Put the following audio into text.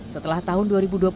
setelah tahun dua ribu dua puluh